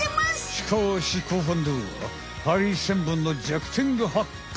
しかし後半ではハリセンボンの弱点が発覚！